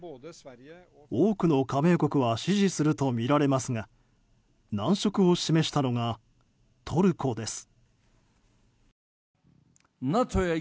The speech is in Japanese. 多くの加盟国は支持するとみられますが難色を示したのがトルコです。